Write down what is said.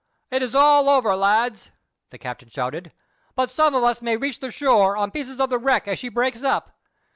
"It is all over, lads!" the captain shouted; "but some of us may reach the shore on pieces of the wreck as she breaks up.